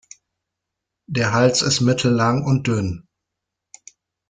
Der Hals ist mittellang und dünn.